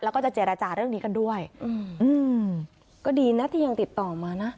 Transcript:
แล้วก็จะเจรจาเรื่องนี้กันด้วยอืมก็ดีนะที่ยังติดต่อมานะ